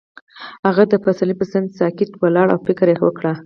هغه د پسرلی پر څنډه ساکت ولاړ او فکر وکړ.